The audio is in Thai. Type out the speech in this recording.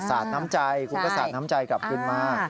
ศาสตร์น้ำใจคุณก็ศาสตร์น้ำใจกลับขึ้นมา